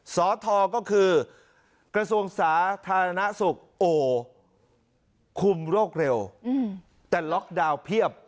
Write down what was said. สทก็คือกระทรวงสาธารณสุขโอ้คุมโรคเร็วแต่ล็อกดาวน์เพียบ